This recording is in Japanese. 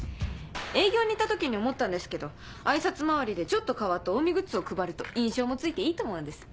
営業にいた時に思ったんですけど挨拶回りでちょっと変わったオウミグッズを配ると印象も付いていいと思うんです。